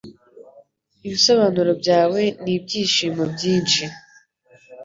ibisobanuro byawe nibyishimo byinshi